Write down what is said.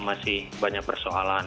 masih banyak persoalan